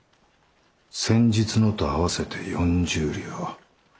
先日のと合わせて４０両。